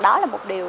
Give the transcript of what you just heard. đó là một điều